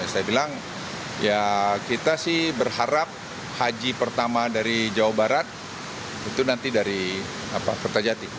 saya bilang ya kita sih berharap haji pertama dari jawa barat itu nanti dari kertajati